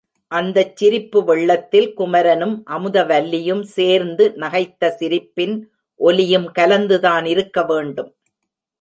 அந்தச் சிரிப்பு வெள்ளத்தில் குமரனும் அமுதவல்லியும் சேர்ந்து நகைத்த சிரிப்பின் ஒலியும் கலந்துதான் இருக்கவேண்டும்.